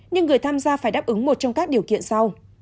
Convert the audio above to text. nhưng người tham gia phải đáp ứng một trong các điều kiện sau